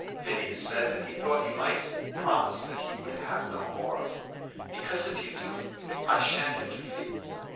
Phineas said that he thought he might promise that he would have no more. "Because, if you do, I shan't interfere.